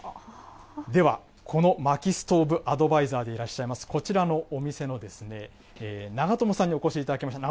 では、このまきストーブアドバイザーでいらっしゃいます、こちらのお店の長友さんにお越しいただきました。